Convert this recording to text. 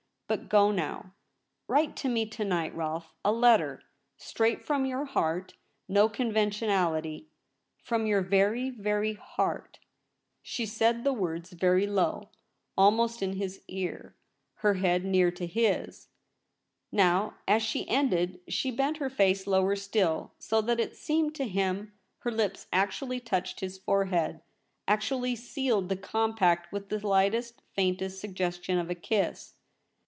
But go now. Write to me to night, Rolfe — a letter straight from your heart — no conventionality ! From your very, very heart.' She said the words very low, almost in his LITERA SCRIPT A. 245 ear, her head near to his. Now, as she ended, she bent her face lower still, so that it seemed to him her lips actually touched his forehead — actually sealed the compact with the lightest, faintest suggestion of a kiss.